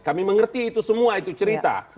kami mengerti itu semua itu cerita